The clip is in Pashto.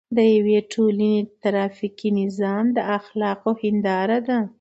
د یوې ټولنې ټرافیکي نظام د اخلاقو هنداره ده.